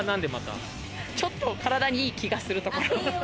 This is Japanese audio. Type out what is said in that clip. ちょっと体にいい気がするところ。